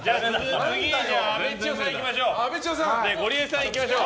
次、阿部知代さんいきましょう。